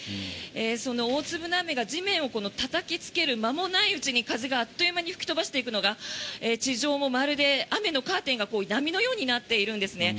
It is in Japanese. その大粒の雨が地面をたたきつける間もないうちに風があっという間に吹き飛ばしていくのが地上も、まるで雨のカーテンが波のようになっているんですね。